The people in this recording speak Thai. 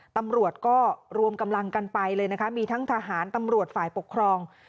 ตำรวจก็รวมกำลังกันไปเลยนะคะมีทั้งทหารตำรวจฝ่ายปกครอง